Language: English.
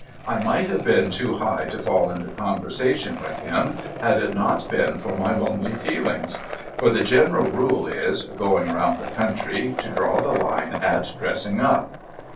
I might have been too high to fall into conversation Avith him, had it not been for my lonely feelings. For the general rule is, going round the country, to draw the line at dressing up.